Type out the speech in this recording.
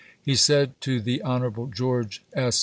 He said to the Hon. George S.